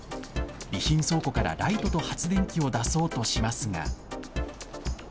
備品倉庫からライトと発電機を出そうとしますが。